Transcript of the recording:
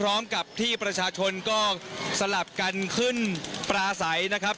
พร้อมกับที่ประชาชนก็สลับกันขึ้นปลาใสนะครับ